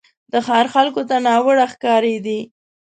د ښار خلکو ته ناوړه ښکارېدی.